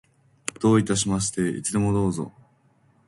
どういたしまして。いつでもどうぞ。